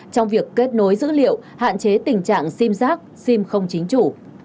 trong việc kết nối dữ liệu hạn chế tình trạng sim giác sim không chính chủ